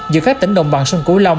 giữa các tỉnh đồng bằng sông cửu long